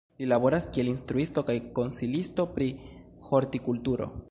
Li laboras kiel instruisto kaj konsilisto pri hortikulturo.